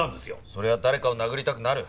そりゃ誰かを殴りたくなる。